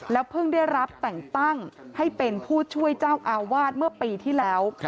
เพิ่งได้รับแต่งตั้งให้เป็นผู้ช่วยเจ้าอาวาสเมื่อปีที่แล้ว